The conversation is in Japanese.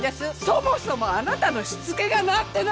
そもそもあなたのしつけがなってないから。